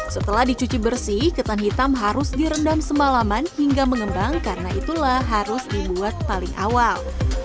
setelah dicuci bersih ketan hitam harus direndam semalaman hingga mengembang karena itulah harus dibuat paling awal